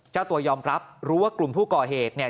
เจ้าตัวยอมรับรู้ว่ากลุ่มผู้ก่อเหตุเนี่ย